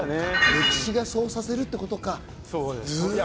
歴史がそうさせるということか。